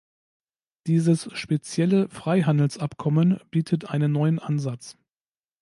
Dieses spezielle Freihandelsabkommen bietet einen neuen Ansatz.